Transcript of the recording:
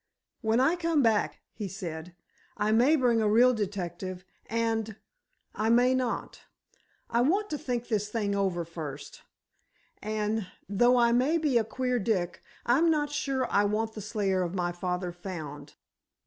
"When I come back," he said, "I may bring a real detective, and—I may not. I want to think this thing over first—and, though I may be a queer Dick, I'm not sure I want the slayer of my father found."